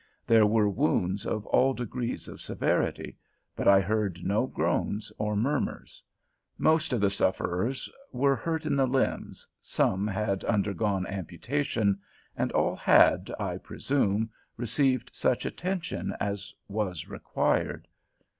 There were wounds of all degrees of severity, but I heard no groans or murmurs. Most of the sufferers were hurt in the limbs, some had undergone amputation, and all had, I presume, received such attention as was required.